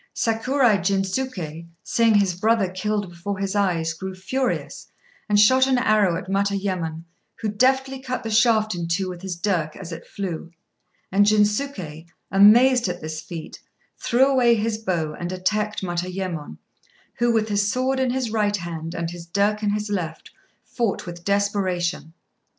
Sakurai Jinsuké, seeing his brother killed before his eyes, grew furious, and shot an arrow at Matayémon, who deftly cut the shaft in two with his dirk as it flew; and Jinsuké, amazed at this feat, threw away his bow and attacked Matayémon, who, with his sword in his right hand and his dirk in his left, fought with desperation.